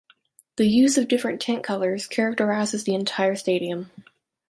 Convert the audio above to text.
The use of different tint colours characterizes the entire stadium.